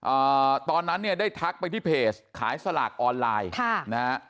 อ่าตอนนั้นเนี่ยได้ทักไปที่เพจขายสลากออนไลน์ค่ะนะฮะ